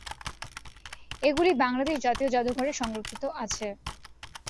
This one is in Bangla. এগুলি বাংলাদেশ জাতীয় জাদুঘর-এ সংরক্ষিত আছে।